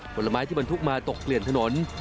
ผลไม้ที่บรรทุกมาตกเกลื่อนถนน